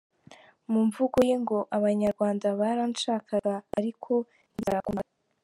Mu mvugo ye ngo ‘abanyarwanda baranshakaga’ ariko ntibyakunda.